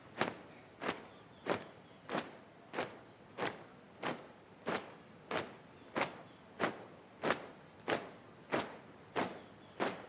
laporan komandan upacara kepada inspektur upacara